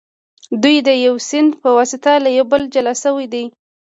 دوی د یو سیند په واسطه له یو بله جلا شوي دي.